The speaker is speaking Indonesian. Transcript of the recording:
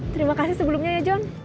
terima kasih sebelumnya ya john